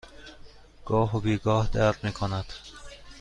گاه و بیگاه درد می کند.